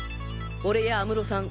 俺や安室さん